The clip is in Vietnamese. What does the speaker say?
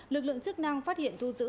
lực lượng chức năng phát hiện thu giữ